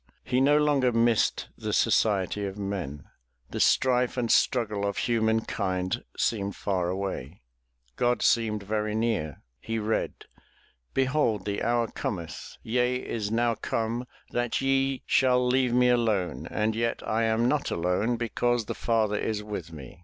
'' He no longer missed the society of men. The strife and struggle of humankind seemed far away; God seemed very near. He read: Behold the hour cometh, yea is now come that ye ... shall leave me alone, and yet I am not alone because the Father is with me."